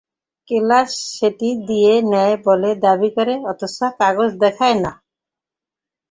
Club সেটি দিয়ে দেয় বলে দাবি করে অথচ কাগজ দেখায় না।